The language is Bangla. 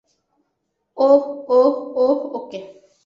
ওহ, ওহ, ওহ, ওকে।